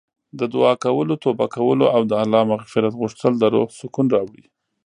د دعا کولو، توبه کولو او د الله مغفرت غوښتل د روح سکون راوړي.